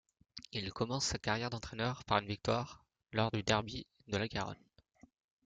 Il commence sa carrière d'entraîneur par une victoire lors du derby de la Garonne.